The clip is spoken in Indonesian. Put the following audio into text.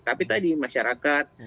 tapi tadi masyarakat